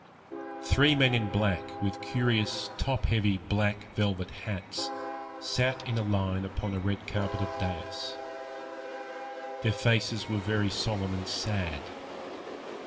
Three men in black, with curious, top heavy, black velvet hats, sat in a line upon a red carpeted dais. Their faces were very solemn and sad.